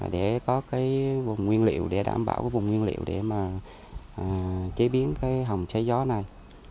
để có cái vùng nguyên liệu để đảm bảo cái vùng nguyên liệu để mà chế biến cái hồng trái gió này